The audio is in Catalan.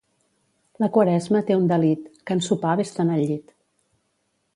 La Quaresma té un delit: que en sopar ves-te'n al llit.